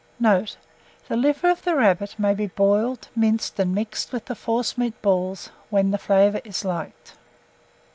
Note. The liver of the rabbit may be boiled, minced, and mixed with the forcemeat balls, when the flavour is liked.